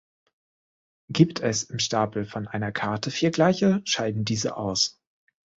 Gibt es im Stapel von einer Karte vier gleiche, scheiden diese aus.